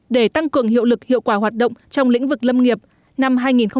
để tăng cường hiệu lực hiệu quả hoạt động trong lĩnh vực lâm nghiệp năm hai nghìn hai mươi